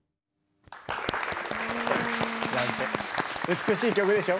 美しい曲でしょ？